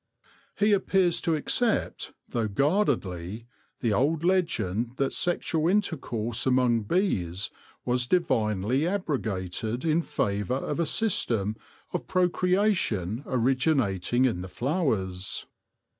He appears to accept, though guardedly, the old legend that sexual intercourse among bees was divinely abrogated in favour of a system of procreation originating in the flowers.